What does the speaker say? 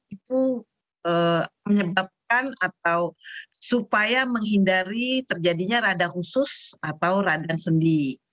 itu menyebabkan atau supaya menghindari terjadinya rada khusus atau radang sendi